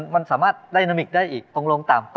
มันสามารถดายโนมิกได้อีกองค์โรงต่ำ